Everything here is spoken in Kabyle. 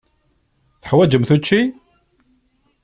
Teḥwaǧemt učči?